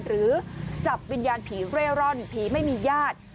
หรือจับวิญญาณผีเร่ร่อนผีไม่มีญาติ